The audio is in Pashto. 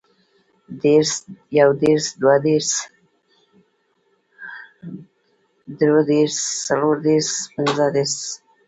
دېرس, یودېرس, دودېرس, درودېرس, څلوردېرس, پنځهدېرس